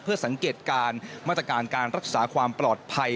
สังเกตการณ์มาตรการการรักษาความปลอดภัย